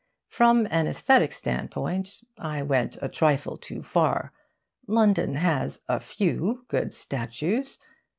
From an aesthetic standpoint, I went a trifle too far: London has a few good statues.